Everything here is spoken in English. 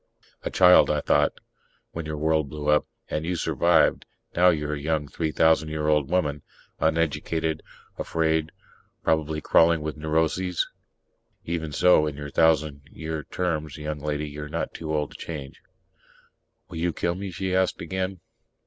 A child, I thought, _when your world blew up. And you survived. Now you're a young three thousand year old woman ... uneducated, afraid, probably crawling with neuroses. Even so, in your thousand year terms, young lady, you're not too old to change._ "Will you kill me?" she asked again.